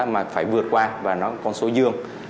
mà phải vượt qua và nó còn sôi dương